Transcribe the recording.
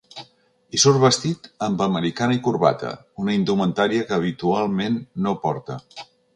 Hi surt vestit amb americana i corbata, una indumentària que habitualment no porta.